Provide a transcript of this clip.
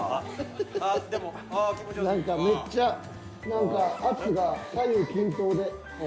何かめっちゃ何か圧が左右均等で。